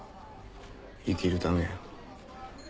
生きるためや。